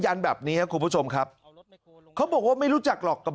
แบบนี้ครับคุณผู้ชมครับเขาบอกว่าไม่รู้จักหรอกกับ